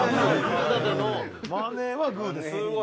「マネーはグーです」